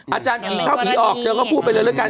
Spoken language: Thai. อาจารย์ผีเข้าผีออกเธอก็พูดไปเลยแล้วกัน